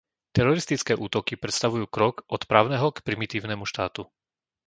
Teroristické útoky predstavujú krok od právneho k primitívnemu štátu.